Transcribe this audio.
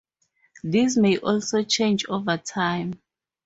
These may also change over time.